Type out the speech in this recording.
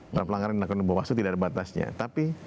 merang pelanggaran di bawaslu tidak ada batasnya tapi